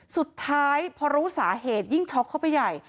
สุดท้ายพอรู้สาเหตุยิ่งช็อกเข้าไปใหญ่